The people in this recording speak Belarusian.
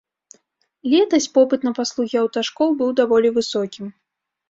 Летась попыт на паслугі аўташкол быў даволі высокім.